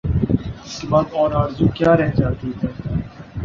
اس کے بعد اور آرزو کیا رہ جاتی ہے؟